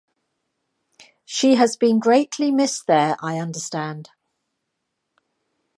She has been greatly missed there, I understand.